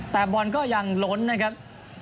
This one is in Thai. แต่บอลก็ยังล้นนะครับ